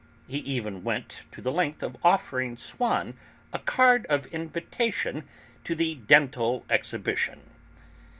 He even went to the length of offering Swann a card of invitation to the Dental Exhibition.